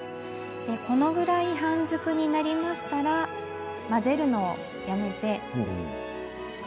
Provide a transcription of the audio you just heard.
このぐらい半熟になりましたら混ぜるのをやめて。